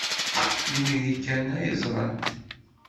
Imir-a kan ay t-ẓrant.